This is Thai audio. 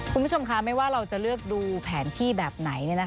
คุณผู้ชมค่ะไม่ว่าเราจะเลือกดูแผนที่แบบไหน